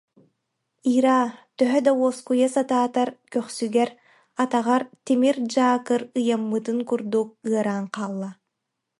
Ира, төһө да уоскуйа сатаатар, көхсүгэр, атаҕар тимир дьаакыр ыйаммытын курдук ыараан хаалла